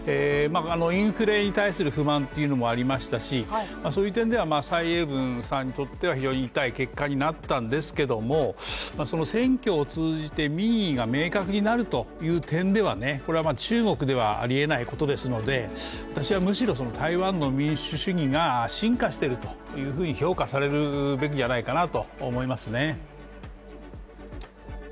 インフレに対する不満もありましたし、そういう点では蔡英文さんにとっては非常に痛い結果になったんですけども選挙を通じて民意が明確になるという点では中国ではあり得ないことですので、私はむしろ台湾の民主主義が進化していると評価されるべきじゃないかなと思いますね。